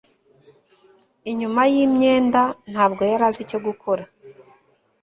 inyuma yimyenda, ntabwo yari azi icyo gukora